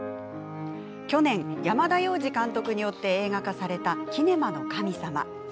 去年山田洋次監督によって映画化された「キネマの神様」。